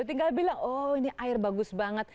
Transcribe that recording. tinggal bilang oh ini air bagus banget